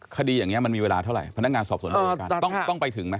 คดีอย่างนี้มันมีเวลาเท่าไหร่พนักงานสอบสวนดำเนินการต้องไปถึงไหม